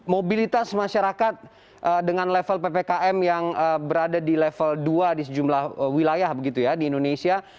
mobilitas masyarakat dengan level ppkm yang berada di level dua di sejumlah wilayah begitu ya di indonesia